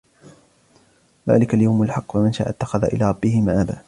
ذَلِكَ الْيَوْمُ الْحَقُّ فَمَنْ شَاءَ اتَّخَذَ إِلَى رَبِّهِ مَآبًا